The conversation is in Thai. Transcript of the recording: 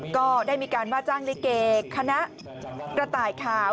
ก็ได้มีการว่าจ้างลิเกคณะกระต่ายขาว